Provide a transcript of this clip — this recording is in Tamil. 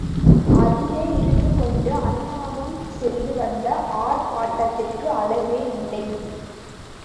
அதிலே இருந்துகொண்டு அந்நாகம் செய்து வந்த ஆர்ப்பாட்டத்துக்கு அளவேயில்லை.